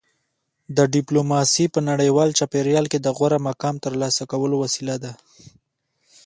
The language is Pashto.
دا ډیپلوماسي په نړیوال چاپیریال کې د غوره مقام ترلاسه کولو وسیله ده